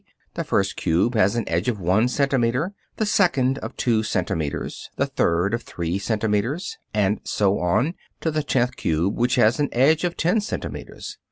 _, the first cube has an edge of one centimeter, the second of two centimeters, the third of three centimeters, and so on, to the tenth cube, which has an edge of ten centimeters.